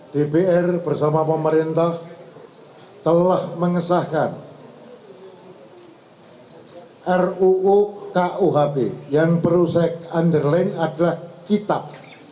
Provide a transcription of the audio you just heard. dpr bersama pemerintah telah mengesahkan ruu kuhp yang perlu saya underland adalah kitab